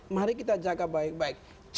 mari kita jaga baik baik